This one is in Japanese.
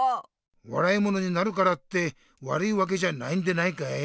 わらいものになるからってわるいわけじゃないんでないかい？